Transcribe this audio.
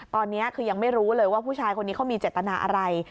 ตอนนี้คือยังไม่รู้เลยว่าผู้ชายคนนี้เขามีเจตนาอะไร